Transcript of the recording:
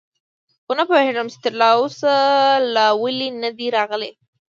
خو نه پوهېږم، چې تراوسه لا ولې نه دي راغلي.